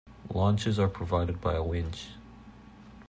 Launches are provided by a winch.